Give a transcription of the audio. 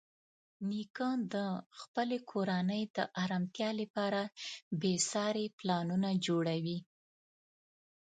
نیکه د خپلې کورنۍ د ارامتیا لپاره بېساري پلانونه جوړوي.